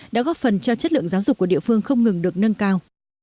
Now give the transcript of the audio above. đã góp phần cho chất lượng giáo dục của địa phương không ngừng được nâng cao